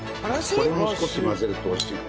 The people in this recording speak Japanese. これも少し混ぜると美味しい。